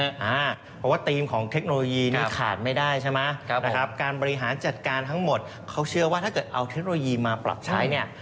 เพราะว่าธีมของเทคโนโลยีนี่ขาดไม่ได้ใช่ไหมนะครับการบริหารจัดการทั้งหมดเขาเชื่อว่าถ้าเกิดเอาเทคโนโลยีมาปรับใช้เนี่ย